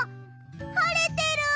はれてる！